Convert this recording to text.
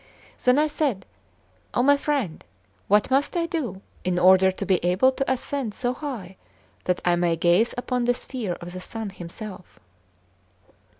Then I said: "Oh, my friend! what must I do in order to be able to ascend so high that I may gaze upon the sphere of the sun himself?"